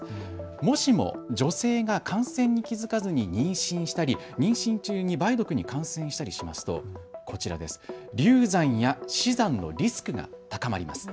もしも女性が感染に気付かずに妊娠したり、妊娠中に梅毒に感染したりしますと流産や死産のリスクが高まります。